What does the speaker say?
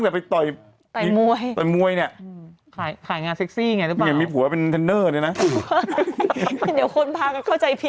เดี๋ยวนี้เสื้อผ้าเป็นแฟชั่นแล้วคือ